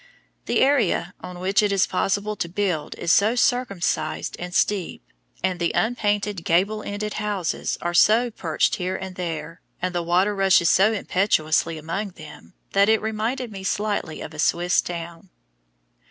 The area on which it is possible to build is so circumcised and steep, and the unpainted gable ended houses are so perched here and there, and the water rushes so impetuously among them, that it reminded me slightly of a Swiss town.